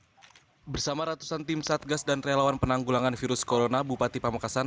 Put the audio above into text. hai bersama ratusan tim satgas dan relawan penanggulangan virus corona bupati pamekasan